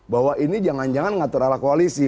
bahwa ini jangan jangan mengatur arah koalisi